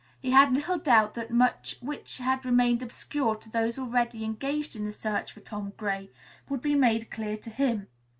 He had little doubt that much which had remained obscure to those already engaged in the search for Tom Gray would be made clear to him.